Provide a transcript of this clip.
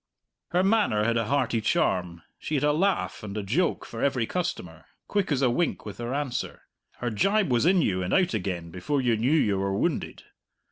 Her manner had a hearty charm. She had a laugh and a joke for every customer, quick as a wink with her answer; her gibe was in you and out again before you knew you were wounded.